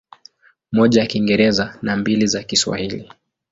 Moja ya Kiingereza na mbili za Kiswahili.